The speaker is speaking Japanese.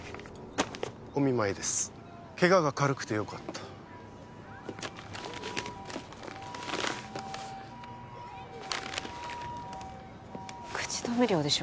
お見舞いですケガが軽くてよかった口止め料でしょ